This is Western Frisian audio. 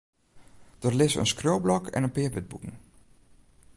Der lizze in skriuwblok en in pear wurdboeken.